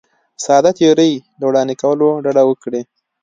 ساده تیورۍ له وړاندې کولو ډډه وکړي.